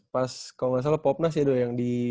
kalau gak salah popnas ya yang di